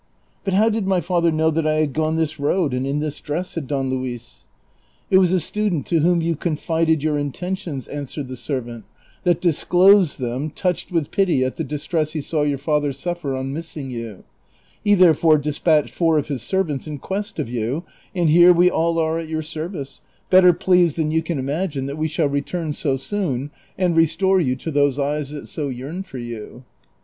" But how did my father know that I had gone this road and in this dress ?" said Don Luis. " It was a student to whom you confided your intentions," answered the servant, " that disclosed them, touched with pity at the distress he saw your father suffer on missing you ; he therefore despatched four of his servants in quest of you, and here we all are at your service, better pleased than you can 378 DON QUIXOTE. imagine that we shall return so soon and restore you to those eyes that so yearn for yon."